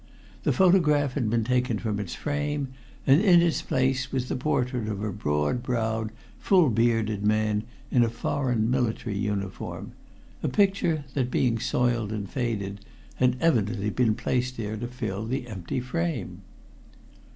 The photograph had been taken from its frame, and in its place was the portrait of a broad browed, full bearded man in a foreign military uniform a picture that, being soiled and faded, had evidently been placed there to fill the empty frame.